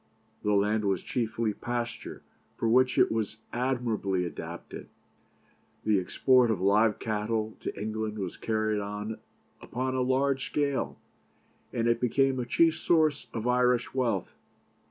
The land was chiefly pasture, for which it was admirably adapted; the export of live cattle to England was carried on upon a large scale, and it became a chief source of Irish wealth.